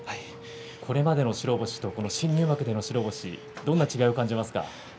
これまでの白星とこの新入幕での白星どんな違いを感じますか？